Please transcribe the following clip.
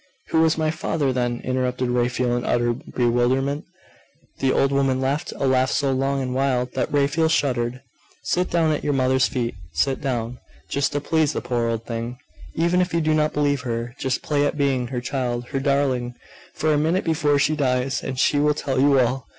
'Who was my father, then?' interrupted Raphael, in utter bewilderment. The old woman laughed a laugh so long and wild, that Raphael shuddered. 'Sit down at your mother's feet. Sit down.... just to please the poor old thing! Even if you do not believe her, just play at being her child, her darling, for a minute before she dies; and she will tell you all....